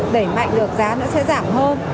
đẩy mạnh được giá nữa sẽ giảm hơn